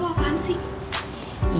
itu apaan sih